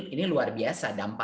ini luar biasa